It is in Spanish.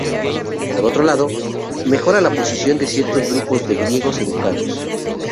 Por otro lado, mejora la posición de ciertos grupos de griegos educados.